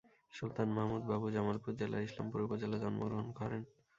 সুলতান মাহমুদ বাবু জামালপুর জেলার ইসলামপুর উপজেলা জন্মগ্রহণ করেন।